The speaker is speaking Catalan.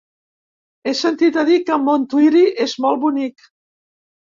He sentit a dir que Montuïri és molt bonic.